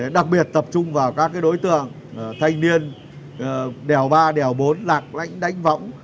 đặc biệt tập trung vào các đối tượng thanh niên đèo ba đèo bốn lạc lãnh đánh võng